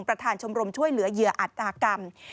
ประธานชมรมช่วยเหลือเหยื่ออัตตากรรม